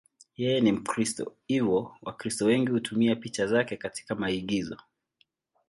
Yeye ni Mkristo, hivyo Wakristo wengi hutumia picha zake katika maigizo.